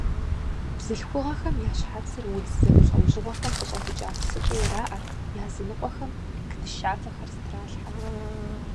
Бзылъхугъэхэм я щхьэцыр удз зэмылӀэужьыгъуэхэм къыщӀэвыкӀа псыкӀэ ираӀэрт, языныкъуэхэм парик дыщафэхэр зытралъхьэрт.